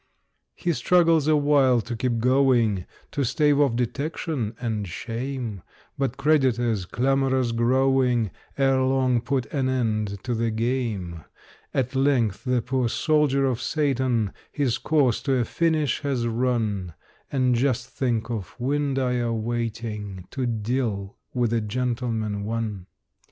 He struggles awhile to keep going, To stave off detection and shame; But creditors, clamorous growing, Ere long put an end to the game. At length the poor soldier of Satan His course to a finish has run And just think of Windeyer waiting To deal with "A Gentleman, One"!